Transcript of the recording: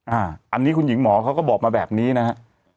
อันนี้คุณหญิงหมอเขาก็บอกมาแบบนี้นะฮะ